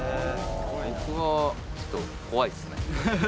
僕はちょっと、怖いですね。